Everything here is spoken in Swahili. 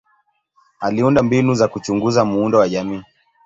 Aliunda mbinu za kuchunguza muundo wa jamii.